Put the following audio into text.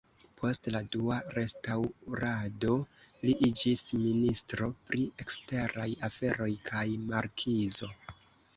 Post la Dua restaŭrado li iĝis ministro pri eksteraj aferoj kaj markizo.